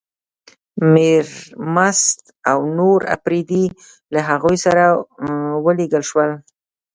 میرمست او نور اپرېدي له هغوی سره ولېږل شول.